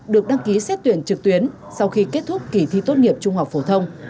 được đăng ký xét tuyển trực tuyến sau khi kết thúc kỳ thi tốt nghiệp trung học phổ thông